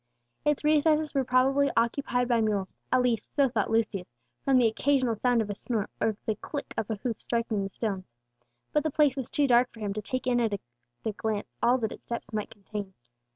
Its recesses were probably occupied by mules, at least so thought Lucius, from the occasional sound of a snort, or the click of a hoof striking the stones; but the place was too dark for him to take in at a glance all that its depths might contain.